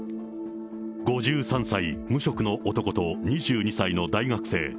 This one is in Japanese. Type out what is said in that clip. ５３歳無職の男と２２歳の大学生。